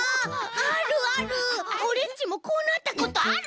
オレっちもこうなったことある。